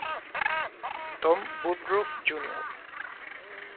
Tom Woodruff Jr.